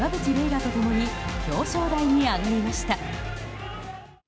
楽と共に表彰台に上がりました。